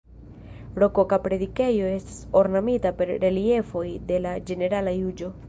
Rokoka predikejo estas ornamita per reliefoj de la Ĝenerala Juĝo.